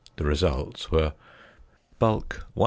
The results were: Bulk 100.